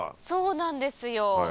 そうなんですよ。